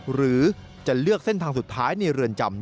หรือจะเลือกเส้นทางสุดท้ายในเรือนจำ